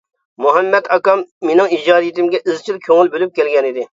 مۇھەممەت ئاكام مېنىڭ ئىجادىيىتىمگە ئىزچىل كۆڭۈل بولۇپ كەلگەنىدى.